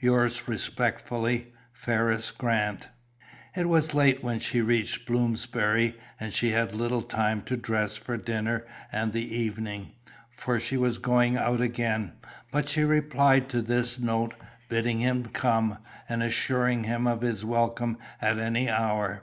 "Yours respectfully, "FERRISS GRANT." It was late when she reached Bloomsbury, and she had little time to dress for dinner and the evening, for she was going out again, but she replied to this note, bidding him come, and assuring him of his welcome at any hour.